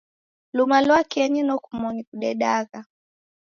Lumalwakenyi nokumoni kudekagha